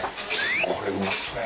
これうまそうや。